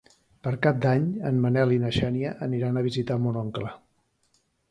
Per Cap d'Any en Manel i na Xènia aniran a visitar mon oncle.